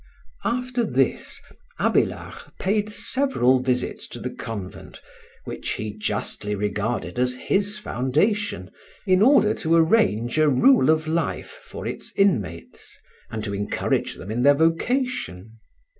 After this Abélard paid several visits to the convent, which he justly regarded as his foundation, in order to arrange a rule of life for its inmates, and to encourage them in their vocation.